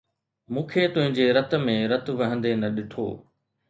مون تنهنجي رت ۾ رت وهندي نه ڏٺو